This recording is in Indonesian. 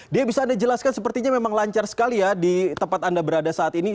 dia bisa anda jelaskan sepertinya memang lancar sekali ya di tempat anda berada saat ini